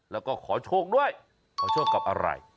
แล้วก็ขอโชคด้วยขอโชคกับอะไร